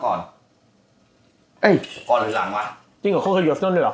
ก่อนหรือหลังหวัดจริงเหรอเขาก็อยู่อาซินดอลด้วยเหรอ